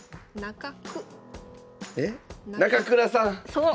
そう！